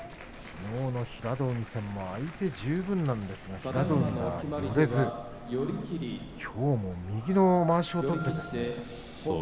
きのうの平戸海戦も相手十分なんですがもろともせずきょうも右のまわしを取って。